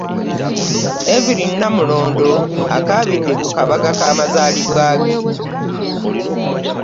Evelyn Nnamulondo akaabidde ku kabaga k'amazaalibwa ge